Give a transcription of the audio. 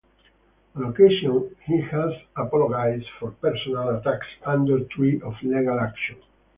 On occasion he has apologised for personal attacks under threat of legal action.